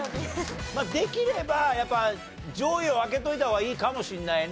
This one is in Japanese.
まあできればやっぱ上位を開けといた方がいいかもしんないね。